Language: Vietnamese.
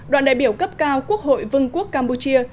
đoàn đại biểu cấp cao quốc hội vương quốc campuchia